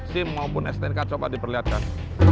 sim maupun stnk coba diperlihatkan